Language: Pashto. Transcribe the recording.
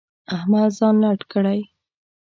احمد ځان لټ کړی.